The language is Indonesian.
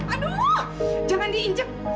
aduh jangan diinjek